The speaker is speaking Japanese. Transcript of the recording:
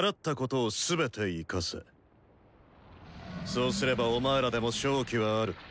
そうすればお前らでも勝機はある。